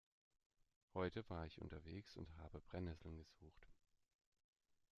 Heute war ich unterwegs und habe Brennesseln gesucht.